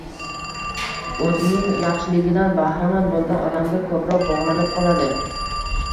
o‘zining yaxshiligidan bahramand bo‘lgan odamga ko‘proq bog‘lanib qoladi.